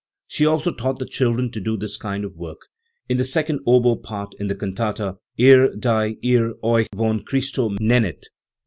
She also taught the children to do this kind of work. In the second oboe part in the cantata Iht, die ihr euch von Christo nennet (No.